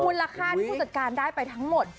มูลค่าที่ผู้จัดการได้ไปทั้งหมด